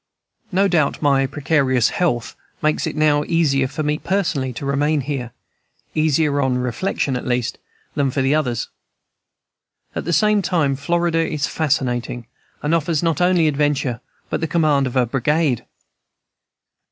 No doubt my precarious health makes it now easier for me personally to remain here easier on reflection at least than for the others. At the same time Florida is fascinating, and offers not only adventure, but the command of a brigade.